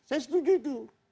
saya setuju itu